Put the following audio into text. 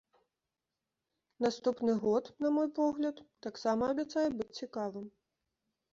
Наступны год, на мой погляд, таксама абяцае быць цікавым.